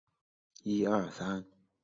元至元十五年复称延平府南平县。